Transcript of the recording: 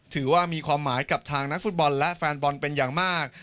ถือว่ามีความหมายกับทางนักฟุตบอลและแฟนบอลเป็นอย่างมาก